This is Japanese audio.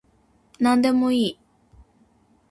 なんでもいい